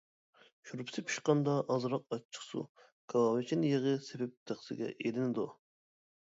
شورپىسى پىشقاندا ئازراق ئاچچىقسۇ، كاۋاۋىچىن يېغى سېپىپ تەخسىگە ئېلىنىدۇ.